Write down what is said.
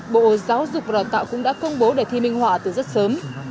bộ giáo dục và đào tạo cũng đã công bố đề thi minh họa từ rất sớm